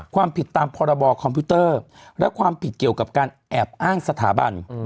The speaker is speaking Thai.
ความผิดตามพรบคอมพิวเตอร์และความผิดเกี่ยวกับการแอบอ้างสถาบัน